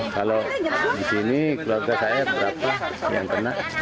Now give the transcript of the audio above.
kalau di sini keluarga saya berapa yang kena